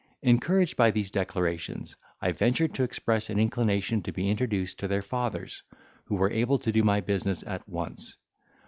Encouraged by these declarations, I ventured to express an inclination to be introduced to their fathers, who were able to do my business at once.